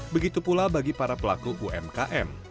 begitu pula bagi para pelaku umkm